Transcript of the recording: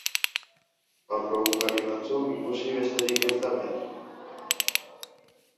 Gaurko egunkari batzuk ikusi besterik ez da behar.